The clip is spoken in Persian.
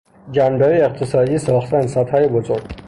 جنبه های اقتصادی ساختن سدهای بزرگ